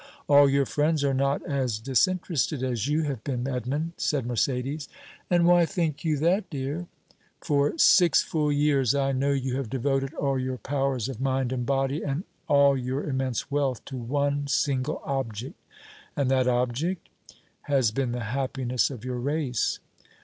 "All your friends are not as disinterested as you have been, Edmond," said Mercédès. "And why think you that, dear?" "For six full years I know you have devoted all your powers of mind and body and all your immense wealth to one single object." "And that object?" "Has been the happiness of your race."